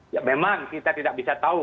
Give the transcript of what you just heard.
ya memang kita tidak bisa tahu